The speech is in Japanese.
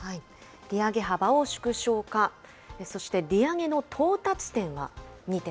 利上げ幅を縮小か、そして、利上げの到達点は？